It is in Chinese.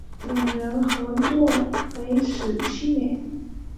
两人合作为时七年。